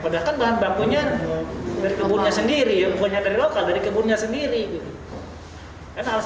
dari kebunnya sendiri bukan dari lokal